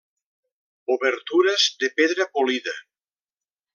Obertures de pedra polida.